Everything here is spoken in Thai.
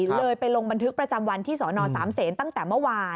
เลยไปลงบันทึกประจำวันที่สนสามเศษตั้งแต่เมื่อวาน